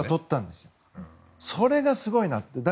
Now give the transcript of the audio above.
それがすごいなと。